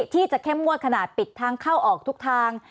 ที่จะเข้มงวดขนาดปิดทางเข้าออกทุกทาง